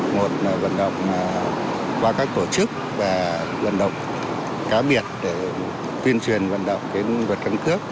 một là vận động qua các tổ chức và vận động khác biệt để tuyên truyền vận động đến vật căn cước